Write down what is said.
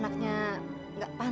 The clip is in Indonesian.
kayaknya tuh desp football